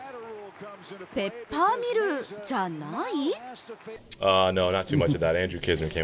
ペッパーミルじゃない？